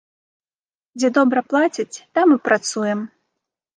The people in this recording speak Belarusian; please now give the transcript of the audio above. Дзе добра плацяць, там і працуем!